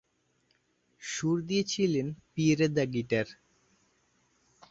সুর দিয়েছিলেন Pierre de guitar.